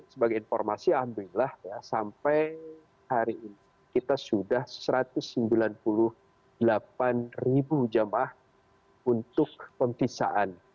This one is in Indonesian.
sebagai informasi alhamdulillah ya sampai hari ini kita sudah satu ratus sembilan puluh delapan jemaah untuk pemfisaan